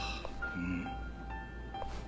うん。